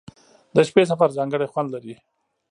• د شپې سفر ځانګړی خوند لري.